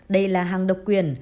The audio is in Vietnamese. đây là hàng độc quyền